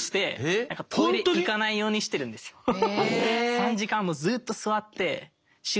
３時間もずっと座って集中して。